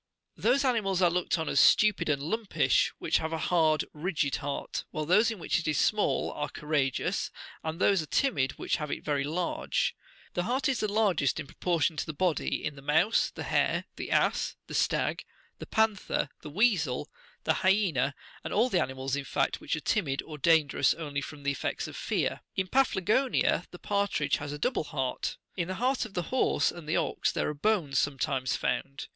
Those animals are looked upon as stupid and lumpish which have a hard, rigid heart, while those in which it is small are courageous, and those are timid which have it very large. The heart is the largest, in proportion to the body, in the mouse, the hare, the ass, the stag, the panther, the weasel, the hyaena, and all the animals, in fact, which are timid, or dan gerous only from the effects of fear. In Paphlagonia the par tridge has a double heart. In the heart of the horse and the ox there are bones sometimes found.